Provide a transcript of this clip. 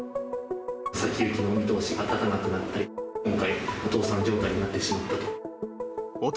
先行きの見通しが立たなくなって、今回、倒産状態になってしまったと。